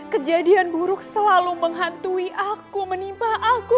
kejadian buruk selalu menghantui aku menimpa aku